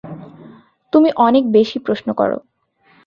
তুমি অনেক বেশি প্রশ্ন করো।